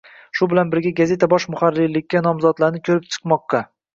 Shu bilan birga, gazeta bosh muharrirlikka nomzodlarni ko'rib chiqmoqda